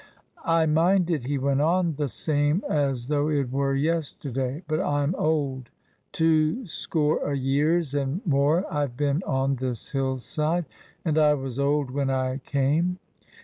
" I mind it," he went on, " the same as though it were yesterday. But Tm old. Two score o' years and more I've been on this hill side, and I was old when I came.